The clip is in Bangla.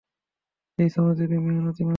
হে শ্রমজীবি মেহনতি মানুষেরা!